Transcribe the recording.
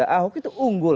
ahok itu unggul